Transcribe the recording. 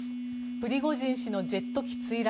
プリゴジン氏のジェット機墜落。